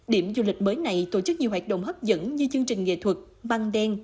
điểm du lịch mới này tổ chức nhiều hoạt động hấp dẫn như chương trình nghệ thuật băng đen